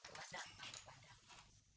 sadar seseorang yang telah datang